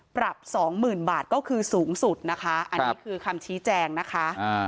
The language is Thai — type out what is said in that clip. สองหมื่นบาทก็คือสูงสุดนะคะอันนี้คือคำชี้แจงนะคะ